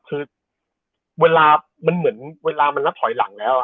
คือเวลามันเหมือนออกแถวหลักแล้ว